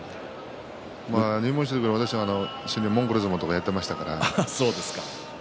入門してから一緒にモンゴル相撲とかやっていましたからね。